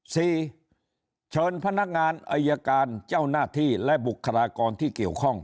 เชิญพนักงานอายการเจ้าหน้าที่และบุคลากรที่เกี่ยวข้อง